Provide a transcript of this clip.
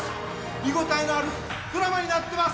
見応えのあるドラマになってます。